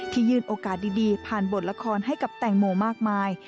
ยื่นโอกาสดีผ่านบทละครให้กับแตงโมมากมาย